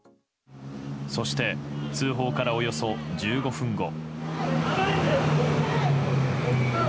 そして、通報からおよそ１５分後。